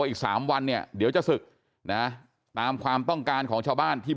อีกสามวันเนี่ยเดี๋ยวจะศึกนะตามความต้องการของชาวบ้านที่